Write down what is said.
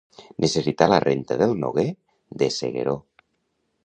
Necessitar la renda del Noguer de Segueró.